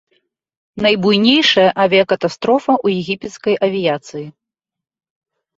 Найбуйнейшая авіякатастрофа ў егіпецкай авіяцыі.